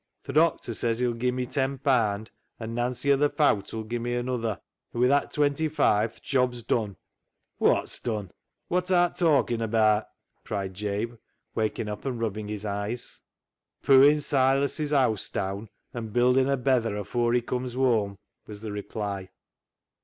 " Th' doctor says he'll gie me ten paand and Nancy o' th' Fowt 'ull gie me anuther, an' wi' that twenty five th' job's dun." " Wot's dun ? Wot art talkin' abaat ?" cried Jabe, waking up and rubbing his eyes. " Pooin' Silas' haase daan, an' buildin' a betther afore he comes whoam," was the reply.